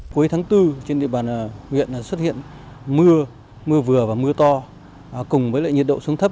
cuối tháng bốn trên địa bàn huyện xuất hiện mưa mưa vừa và mưa to cùng với nhiệt độ xuống thấp